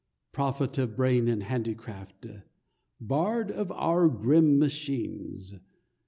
Prophet of brain and handicraft! Bard of our grim machines!